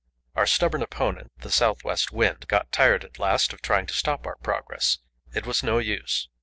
Our stubborn opponent, the south west wind, got tired at last of trying to stop our progress; it was no use.